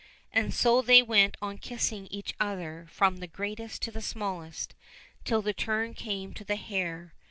And so they went on kissing each other from the greatest to the smallest, till the turn came to the hare.